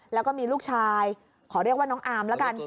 แล้วก็มีลูกชายขอเรียกว่าน้องอามแล้วกัน